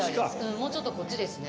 もうちょっとこっちですね。